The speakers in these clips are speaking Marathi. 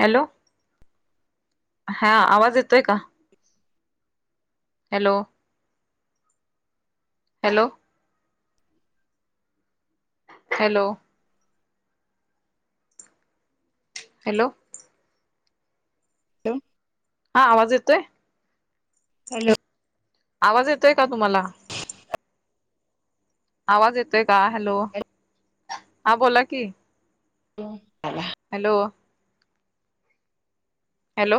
हॅलो हा आवाज येतोय का? Hello. Hello. Hello. Hello. Hello. हा आवाज येतोय? हॅलो. आवाज येतोय का तुम्हाला? आवाज येतोय का हॅलो हा बोला कि. [inaudible] हॅलो हॅलो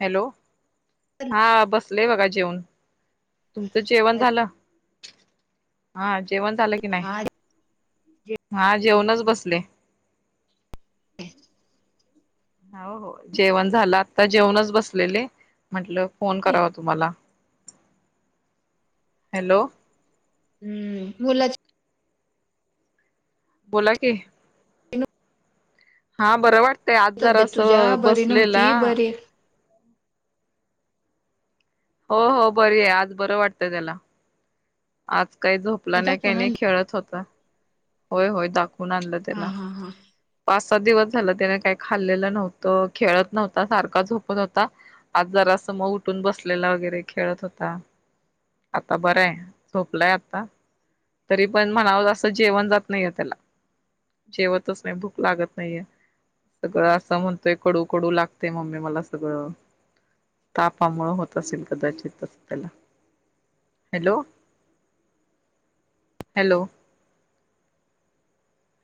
हॅलो हा बसलेय बघा जेवन तुमचं जेवण झालं हा जेवण झालं की नाही हा हा जेवणच बसले. हो हो जेवण झालं आता जेवणच बसलेले म्हटल फोन करावा तुम्हाला हॅलो हम्म मुलाची बोला की. हा बरं वाटतंय आज जरा तब्येत अस तुझ्या बरी बसलेला नव्हती बरी हो हो बरी आहे आज बरं वाटतंय त्याला आज काही झोपलं नाही काही दाखवून नाही आणली खेळत होता. होय होय दाखवून आणलं हा त्याला. हा हा पाच सात दिवस झालं त्याने काही खाल्लेलं नव्हतं खेळत नव्हता सारखा झोपत होता आज जरा अस मग उठून बसलेला वगैरे खेळत होता. आता बरं आहे झोपलंय आता. तरी पण म्हणाव असं जेवण जात नाही आहे त्याला जेवतच नाही भु क लागत नाहीये सगळं असं म्हणतोय कडू कडू लागते मम्मी मला सगळं. तापामु होत असेल कदाचित त्याला. Hello. Hello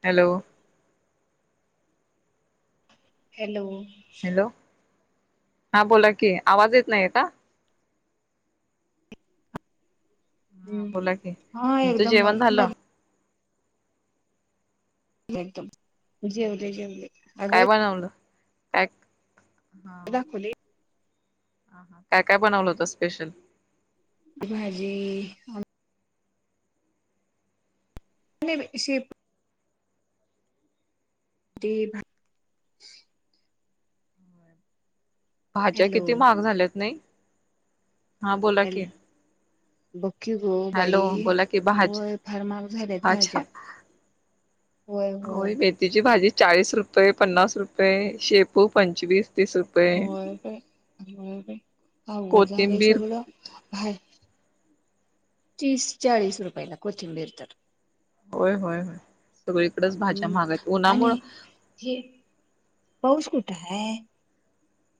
hello. Hello. Hello हा बोला कि आवाज येत नाही आहे का? हा बोला कि हा तुमचं एकदम जेवण झालं. बदल एकदम जवले जवले अगं अ हा. दाखवली ह हा काय काय बनवलं होत स्पेशल भाजी आणि श ते भाज्या हॅलो किती महाग झाल्यात नाही. हा बोला कि. बकी गो बाई की भाज वय फार महाग झाले भाज्या होय मेथीची भाजी चाळीस रुपये पन्नास रुपये शेपू पंच्चवीस होय का होय अघर झालं कोथिंबीर सगळ भा तीस चाळीस रुपयाला कोथिंबीर तर. होय होय होय सगळीकडेच भाज्या हम्म महागाय आहेत आणि उन्हामुळ हे पाऊस कुठं आहे.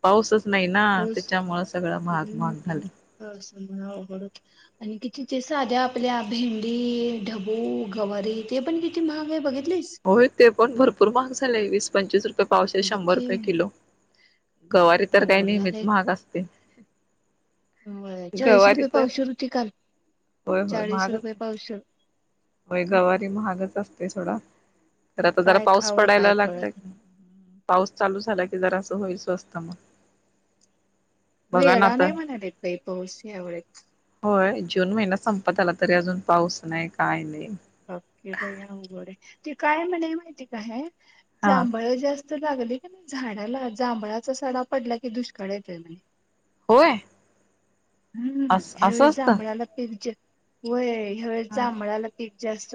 पाऊसच नाही ना त्याच्यामु सगळं महाग महाग हम्म झालं. पावसामुळं आणि किती साध्या आपल्या भेंडी ढबू गवारी ते पण किती महाग आहे बघ होय ते पण भरपूर महाग झालेय वीस पंचवीस रुपये पावश बघ शंभर की रुपये किलो. गवारी तर काय अवघड नेहमीच महाग असते. हो चाळीस गवारी रुपये तर पावशर होती काल होय होय चाळीस महागच रुपये आहे पावशे होय गवारी महागच असते थोडा. तर आता जरा काय पाऊस खावं काय पडायला कळत लागतय. नाही. पाऊस चालू झाला की जरा असं होई स्वस्त म. वेळा नाही म्हणा रे बाई पाऊस या वेळेस होय जून महिना संपत आला तरी अजून पाऊस नाही काय नाही. अके बईया बर आहे ते काय म्हणा माहिती का हे हा जांभळ जास्त लागली की झाडाला जांभळाचा सडा पडला की दुष्काळ येतोय म्हणे होय. हम्म अस ह्या असं वेळेस असतं जांभळाला पिरज होय हवळ हा जांभळाला एक जास्त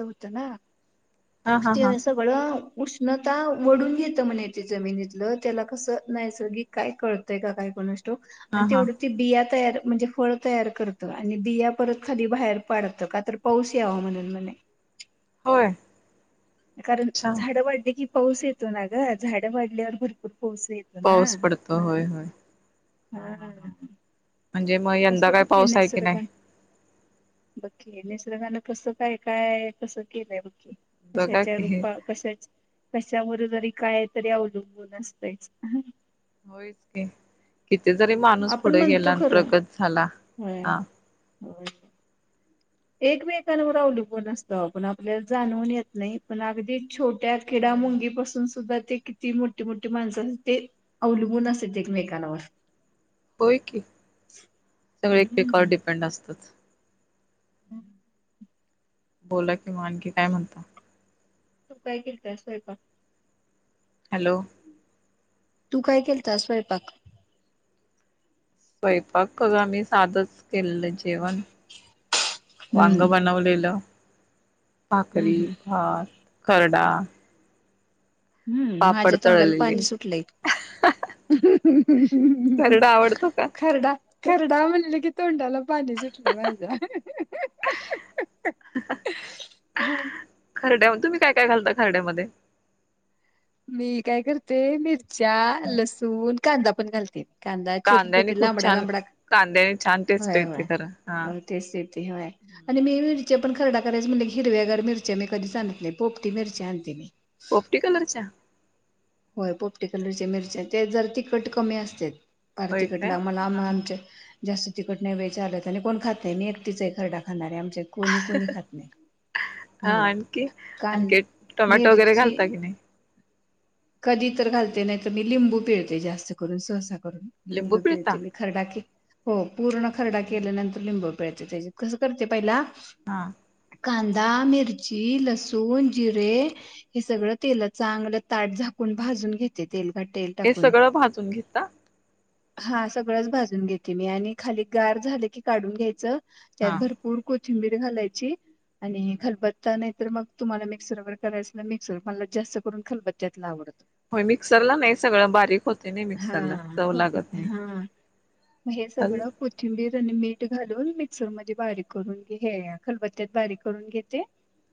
हा हा हा होतो सगळं उष्णता वढून घेतं म्हण ते जमिनीतलं त्याला कसं नैसर्गिक काय कळतंय काय कोण अस आणि हा हा तेवढं ते बिया तयार म्हणजे फळ तयार करत आणि बिया परत खाली बाहेर पाडतं का तर पाऊस यावा म्हणून म्ह हो कारण झाडं वाढली की पाऊस येतो ना ग झाडं वाढल्यावर भरपूर पाऊस येतो ना पाऊस पडतो मण होय होय हा म्हणजे मग यंदा काय पाऊस आहे की नाही बक्की निसर्गने कस काय काय कस केलंय बघकी बघा कशाच्या की रूपा कशाच कशावर जरी काय तरी अवलंबून असतच होयच की किथ जरी माणूस आपण पुढे म्हणतो गेला खरं प्रगत झाला हा हो एकमेकांवर अवलंबून असतो आपण आपल्याला जाणवून येत नाही पण अगदी छोट त्या किडा होय होय मुंगी पासून सुद्धा ते किती मोठे मोठी माणसं ते अवलंबून असत एकमेकांवर होय की सगळे एकमेकावर डिपेंड असतात हम् बोला कि मग आनखी काय म्हणता तू काय करताय स्वयंपाक हॅलो तू काय केलता स्वयंपाक स्वयंपाक बघा आम्ही साधच केलं जेवण हम्म वांग हम्म बनवलेलं भाकरी हम्म भात खर्डा हम्म माझ्या तोंडाला तळलेले पाणी सुटलंय खरडा आवडतो का खरडा खरडा म्हणले कि तोंडाला पाणी सुटलय माझ्या हम खरड्या तुम्ही काय काय घालता खरड्यामध्ये मी काय करते मिरच्या लसूण कांदा पण घालते कांदाच चिरून कांद्याने घेणे खूप लांमडा छान लांबडा कांद्याने छान टेस्ट होय येते खरं हा होय ते स्थिती होय आणि मी पण खरडा करायच म्हणलं की हिरव्यार मिरच्या मी कधीच आणत नाहीमी पोपटी मिरची आणते मी पोपटी कलरच्या होय पोपटी कलरचे मिरच्या ते जर तिखट कमी असते होय काय भारतीकडला आम्हाला हा आम्हा हा आमच्या जास्त तिखट नाही बाई चालत आणि कोण खात नाही मी एकटीचाही खरडा खाणार आहे आमच्या कोणी कोणी खात नाही हा हो आणखी कन आणखी टोमॅटो वगैरे मिरची घालता की नाही कधी तर घालते नाही तर मी लिंबू पिळते जास्त करून स्वसा लिंबू पिळते मी खरडा हो पूर्ण खरडा केल्यानंतर लिंबू पिळते त्यात कसं करते पहिला हा कांदा मिरची लसूण जिरे हे सगळं तेलात चांगलं ताट झा ण भाजून घेते तेलकट तेल हे टाकून सगळं भाजून घेतता हा सगळंच भाजून घेते मी आणि खाली गार झालं की काढून घ्यायचं हा. त्यात भरपूर कोथिंबीर घालायची आणि खलबत्ता नाही तर मग तुम्हाला मिक्सरवर करायचं ना मिकसर मला जास्त करून खलबत्यातला आवडतं हो मिक्सरला नाही सगळं बारीक होते नाही हा मिक्सरला चव होत लागत नाही. हा हे हल सगळं कॊथिंबीर नी मीठ घालून मिक्सर मध्ये बारीक करून घ हे खलबत्त्यात बारीक करून घेते.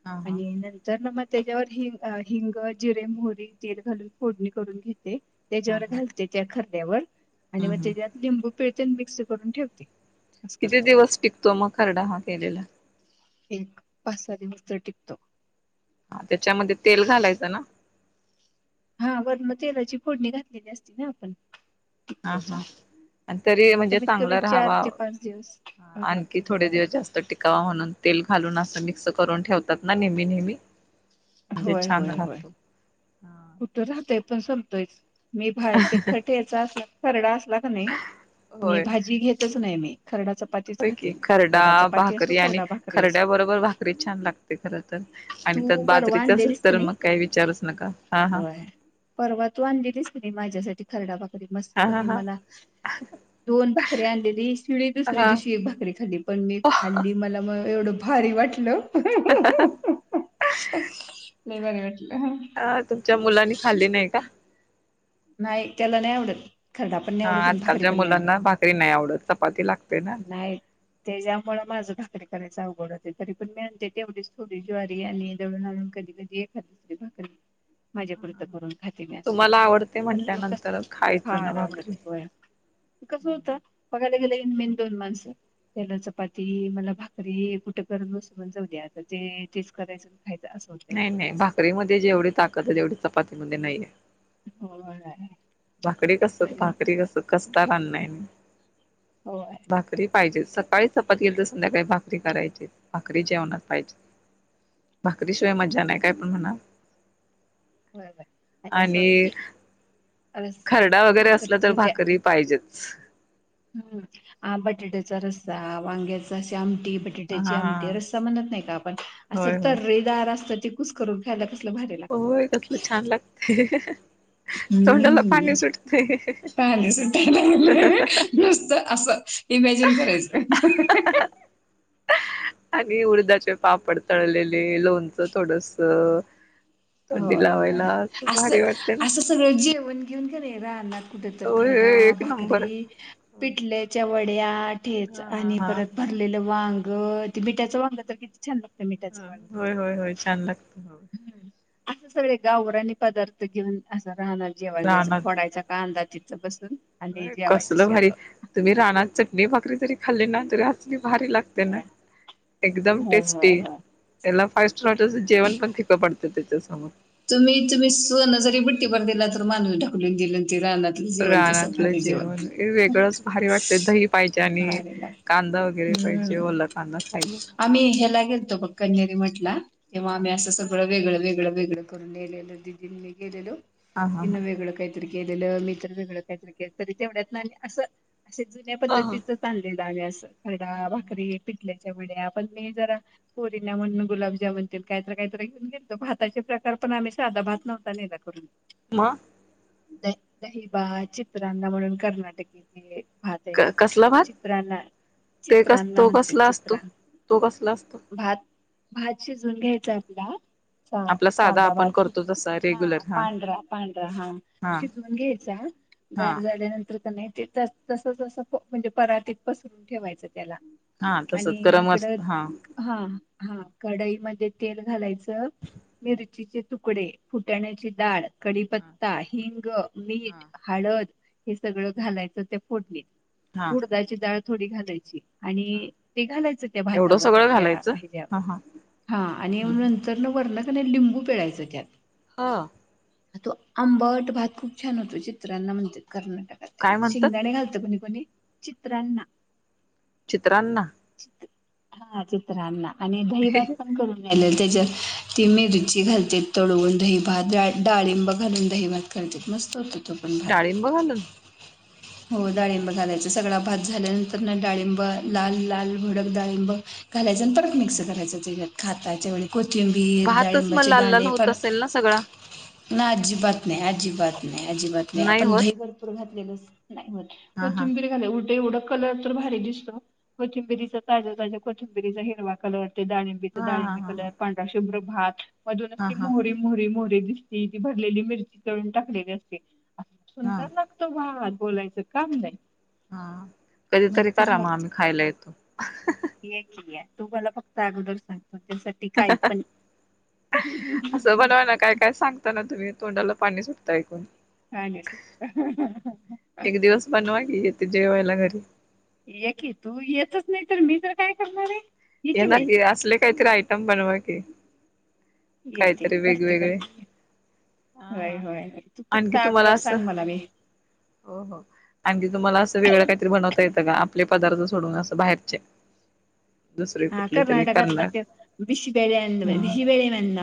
हा हा आणि नंतर ना मग त्याच्यावर हिंग हिंग जिरे मोरी तर घालून फोडणी करून घेते हा हा त्याच्यावर हम्म घालते त्या खरल्यावर आणि मग हम्म. त्याच्यात लिंबू पिळते मिक्स करून ठेवते. असं करते. किती दिवस टिकतो मग खरडा हा केलेला. एक पाच सहा दिवस त टीकतो. हा त्याच्यामध्ये तेल घालायचं ना. हा वरन र्तेलाची फोडणी घातलेली असती ना आपण हा टिकतो हा चांगला आणि तरी म्हणजे कमीत कमी चांगलं चार राहावा. ते पाच दिवस आणखी राहतो थोडे होय दिवस जास्त टिकावा म्हणून तेल घालून अस मिक्स करून ठेवतात ना नेहमी नेहमी म्हणजे होय छान होय होय राहतो. कुठं राहतय पण संपतोयच. मी बाय ते खटेचा अस खरडा असला का नाही मी होय भाजी घेतच नाही मी खरडा चपातीच होय की खाते मी खरडा चपाती असो भाकरी आणि खरडा भाकरी असो खरड्या बरोबर भाकरी छान लागते खर तर आणि त्यात तू परवा बाजरीच असेल आणलेलीस का तर नाही मग काही विचारूच नका हा हा होय परवा तू आणलेलीस ती माझ्यासाठी खरडा भाकरी हा मस्त हा मी हा मला दोन भाकरी आणलेली शिळी दुसरी हा दिवशी एक भाकरी खाल्ली पण मी खाल्ली मला मग एवढं भारी वाटलं लई भारी वाटलं. हम. च्या मुलांनी खाल्ली नाही का. नाही त्याला नाही आवडत. खरडा पण हा नाहीआवडत भाकरी आजकालच्या पण नाही आवडत मुलांना भाकरी नाही आवडत चपाती लागते ना नाही त्याच्यामुळे माझं भाकरी करायच अवघड होते तरी पण मी आणते तेवढीच थोडी ज्वारी आणि दळून आणून. कधी कधी एखा दुसरी भाकरी माझ्या पुरत करून खाती नस तुम्हाला आवडते करत स म्हटल्यानंतर हा खायचं ना भाकरी आरामडती होया कस होत बघायला गेले इन मिन दोन माणसं. त्याला चपाती मला भाकरी कुठे करत बसू जाऊ द्या आता ते तेच करायचं खायचं असं होतंय नाही नाही रोज भाकरीमध्ये जेवढी ताकद आहे तेवढी चपातीमध्ये नाहीये हो. भाकरी कस भाकरी कस कसता राांना आहे म होय भाकरी पाहिजे सकाळी चपाती तर संध्याकाळी भाकरी करायची भाकरी जेवणात पाहिजे भाकरीशिवाय मजा नाही काय पण म्हण होय अन अस आणि खरडा वगैरे असला तर भाकरी पाहिजेच. हम्म ह बटाट्याचा रस्सा वांग्याचा शम ी हा बटाट्याची हा हा आमटे रस्ता म्हणत नाही का आपण होय असं होय. तर्रेदार असतं त कुस करून ख्यायला क होय कसलं छान लागतय. तोंडाला हम्म. पाणी सुटतय पानी सुट्टायला नुसतं असं इमॅजिन करायचं. आणि उर्धाचे पापड तळलेले लोणचं थोडस तोंडी होय होय लावायला भारी असं वाटते ना. असं सगळं जे आपन घेऊन गेले राहनात कुठ तर होय खरडा होय एक भाकरी नंबर. पिटल्याच्या वड्या. तेच हा हा आणि परत हा भरलेलं वांग ते मिठ्याच वांग तर कती छान लागत मीठाच होय वागते होय होय छान लागत असं सगळे गावरानी पदार्थ घेऊन असं राहणार जेवायला जायचं फोडायचा काांदा त अ कसलं भारी तुम्ही राना त चटणी भाकरी जरी खाल्ली ना तरी आ भारी लागते ना होय. एकदम हो हो टेस्टी हो त्याला. [unintelligible] जेवण पण फिकं पडतं त्याच्यासमोर तुम्ही तुम्ही सोनं जरी बुट्टीभर दिला तर, [unintelligible] ढकलून दिलं. रानातलं जेवण हे वेगळंच भारी वाटते. दही पाहिजे आणि भारी लाग कांदा. कांदा वगैरे पाहिजे. हम्म ओला कांदा खायला. आम्ही ह्याला गेलतो. ब कणेरी म्हठ ला तेव्हा हा आम्ही, असं सगळं वेगळं वेगळं वेगळं [unintelligible] गेलेलो हा हा तिन वेगळ काय? केलेलं मी तर वेगळं काहीतरी केलं. तरी तेवढ्यात ना असं असे जुन्या हा ह पद्धतीचं च [unintelligible] खरडा, भाकरी [unintelligible] आपण मी जरा पोरींना म्हणून गुलाब जामून तेन काय तर, काय तर घेऊन गेलतो. भाता चे प्रकार आम्ही साधा भाात नवता नेला करून. म द दहिबा चित्रांना म्हणून कर्नाटकीचे पात आहे कसला भात चित्रांना ते कस तो कसला असतो? तो कसला असतो. भात भात शिजून घ्यायचं आपला आगं साधा आपण भात करतो, शिजून तसं. हा पांढरा पांढरा हा हा शिजवून घ्यायचा. हा गार झाल्यानंतर, नाही. ते तसं तसं म्हणजे, परातीत पसरून ठेवायचं त्याला. हा आणि तसच गरम अस इकडं हा हा. हा कढईमध्ये तेल घालायचं. [unintelligible] तुकडे फुटाण्याची डाळ, हा कडीपत्ता, हिंग. मीठ, हळद हे सगळं घालायचा. ते फोटणीत हा उडदा ची डाळ. थोडी घालायची. हा आणि ते घालायचं. त्या एवढं भातावर सगळं त्या घालायचं ह हेजावरं. ह हा आणि नंतर न वरण क नाही लिंबू पिळायचं त्यात. हा. तो आंबट भात खूप छान होतो. चित्रांना म्हणत्यात काय कर्नाटकात म्हणत शेंगदाणे घालत्यात चित्रांना. चित्रांना. चित्र हा चित्रांना आणि दहीभात पण [unintelligible] त्याच्यात. ती मिरची घालते. तळवून दही, भात, डाळिंब घालून दही, भात घालते, मस्त होतोय. डाळींब घालून हो, डाळिंब घालायचा. सगळा भात झाल्यानंतर ना डाळिंब लाल- लाल भडक डाळिंब घालायचं. आणि परत मिक्स करायचं त्याच्यात खाताच्या वेळी. कोथिंबीर, भातच मग डाळिंबाचे लाल लाल दाणे होत असेल ना सगळा ना अजिबात नाही, अजिबात नाही, अजिबात नाही, आपण दही हा हा कोथिंबीर [unintelligible] कलर तर भारी दिसतो. कोथिंबिरीचा ताज्या ताज्या कोथिंबिरीचा हिरवा कलर. ते डळिंबीच हा हा डळिंबी हा कलर पांढरा शुभ्र भात हा [unintelligible] हा मोहरी मोहरी मोह दिसती भरलेली मिरची तळून टाकलेली असते. असं हा सुंदर लागतो, भात. बोलायचं, काम नाही. हा कधीतरी मस्तच करा मग लागतो आम्ही, खायला येतो? ये की या तू मला फक्त अगोदर सांग. तुझ्यासाठी काही पण असं बनवा ना काय काय सांगता ना तुम्ही तोंडाला पाणी सुटतं ऐकून. एक दिवस बनवा की [unintelligible] येते जेवायला घरी. एकी तू येतच नाही, तर मी तर काय करणार आहे? ये येणार बाई की असले, काहीतरी आयटम बनवा की. येते, काहीतरी करते वेगवेगळे करते. हा होय, हा होय तू फक्त आणखी तुम्हाला अगोदर असं सांग मला मी हो हो आणी तुम्हाला असं वेगळं काहीतरी बनवता येतं का आपले पदार्थ सोडून अस बाहेरचे दुसरे हा कुठले तरी करणार कर्नाटकात म बिशीिबेळे्या अंद हा बिशीिबेळेे म्हंद